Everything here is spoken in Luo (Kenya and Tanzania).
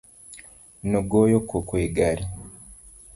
Nogoyo koko e gari.